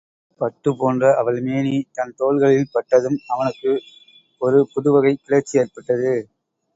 பட்டுப் போன்ற அவள் மேனி தன் தோள்களில் பட்டதும் அவனுக்கு ஒரு புது வகைக் கிளர்ச்சி ஏற்பட்டது.